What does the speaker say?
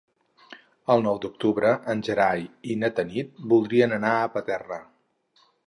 El nou d'octubre en Gerai i na Tanit voldrien anar a Paterna.